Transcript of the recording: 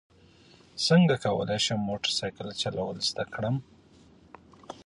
څنګه کولی شم موټر سایکل چلول زده کړم